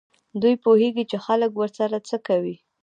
دوی پوهېږي چې خلک ورسره څه کوي.